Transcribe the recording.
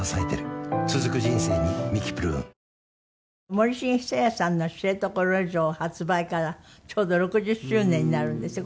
森繁久彌さんの『知床旅情』発売からちょうど６０周年になるんですって？